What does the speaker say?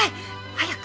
早く！